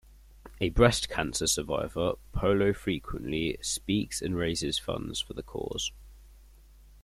A breast cancer survivor, Polo frequently speaks and raises funds for the cause.